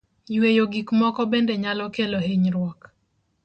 Yueyo gik moko bende nyalo kelo hinyruok.